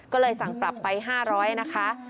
ก็เลยสั่งปรับไป๕๐๐นะคะ